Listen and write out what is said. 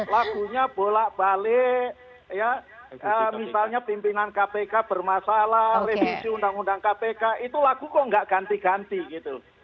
lagunya bolak balik ya misalnya pimpinan kpk bermasalah revisi undang undang kpk itu lagu kok nggak ganti ganti gitu